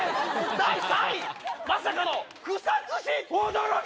第３位、まさかの草津市。